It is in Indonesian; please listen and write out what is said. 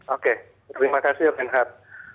oke terima kasih renhat